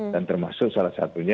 dan termasuk salah satunya